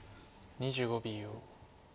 ２５秒。